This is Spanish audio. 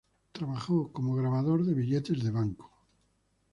Trabajó como grabador de billetes de banco.